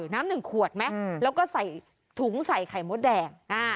น้ำหนึ่งขวดไหมแล้วก็ใส่ถุงใส่ไข่มดแดง